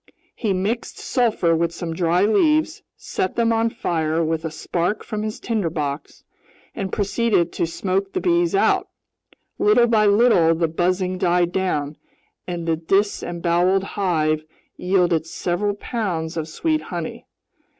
He mixed sulfur with some dry leaves, set them on fire with a spark from his tinderbox, and proceeded to smoke the bees out. Little by little the buzzing died down and the disemboweled hive yielded several pounds of sweet honey.